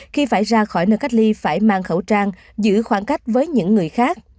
khi phải ra khỏi nơi cách ly phải mang khẩu trang giữ khoảng cách với những người khác